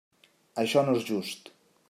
Això no és just.